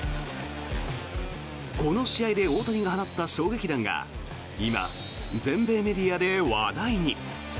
この試合で大谷が放った衝撃弾が今、全米メディアで話題に。